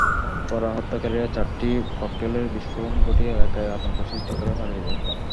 পরে হত্যাকারীরা চারটি ককটেলের বিস্ফোরণ ঘটিয়ে এলাকায় আতঙ্ক সৃষ্টি করে পালিয়ে যায়।